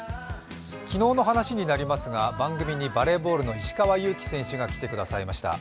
昨日の話になりますが、番組にバレーボールの石川祐希選手が来てくださいました。